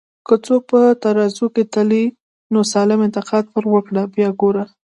که څوک په ترازو کی تلې، نو سالم انتقاد پر وکړه بیا وګوره